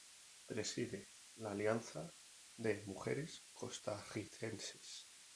Preside la Alianza de Mujeres Costarricenses.